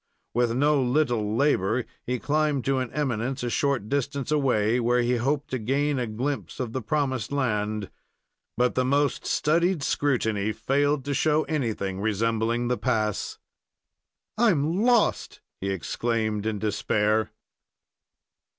With no little labor, he climbed to an eminence a short distance away, where he hoped to gain a glimpse of the promised land; but the most studied scrutiny failed to show anything resembling the pass. "I'm lost!" he exclaimed, in despair.